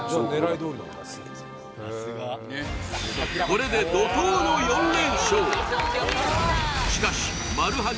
これで怒濤の４連勝